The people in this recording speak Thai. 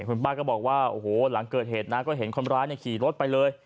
คุณป้าก็บอกว่าโอ้โหหลังเกิดเหตุนะก็เห็นคนร้ายขี่รถไปเลย